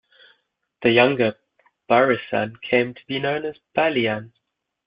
The younger Barisan came to be known as Balian.